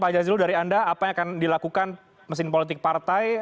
yang akan dilakukan mesin politik partai